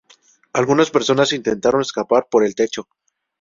Algunas personas intentaron escapar por el techo.